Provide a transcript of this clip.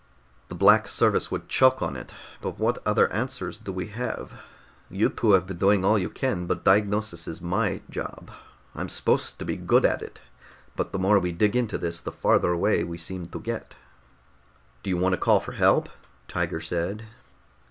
"The Black Service would choke on it but what other answer do we have? You two have been doing all you can, but diagnosis is my job. I'm supposed to be good at it, but the more we dig into this, the farther away we seem to get." "Do you want to call for help?" Tiger said.